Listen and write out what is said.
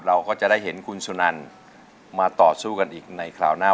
เราก็จะได้เห็นคุณสุนันมาต่อสู้กันอีกในคราวหน้า